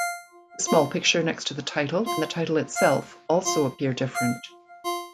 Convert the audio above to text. The small picture next to the title and the title itself also appear different.